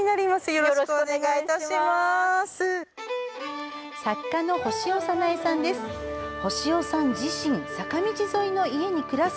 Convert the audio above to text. よろしくお願いします。